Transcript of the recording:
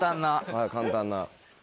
はい簡単な。